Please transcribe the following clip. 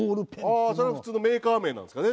ああそれは普通のメーカー名なんですかね